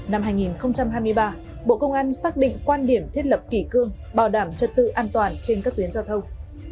năm hai nghìn hai mươi ba bộ công an xác định quan điểm thiết lập kỷ cương bảo đảm trật tự an toàn trên các tuyến giao thông